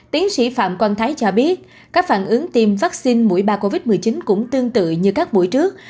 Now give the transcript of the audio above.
tiến sĩ phạm quang thái cho biết các phản ứng tiêm vaccine mũi ba covid một mươi chín cũng tương tự như các buổi trước